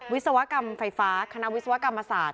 วิศวกรรมไฟฟ้าคณะวิศวกรรมศาสตร์